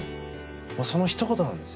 もう、そのひと言なんです。